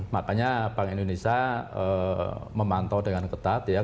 makanya bank indonesia memantau dengan ketat ya